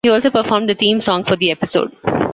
He also performed the theme song for the episode.